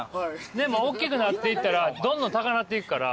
でもおっきくなっていったらどんどん高なっていくから。